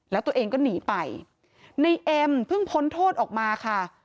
แล้วตัวเองก็หนีไปในเอ็มเพิ่งพ้นโทษออกมาค่ะ